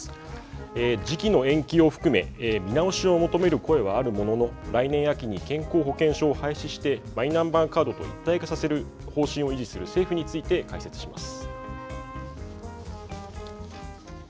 時期の延期を含め見直しを求める声はあるものの来年秋に健康保険証を廃止してマイナンバーカードと一体化させる方針を維持する政府について解説します。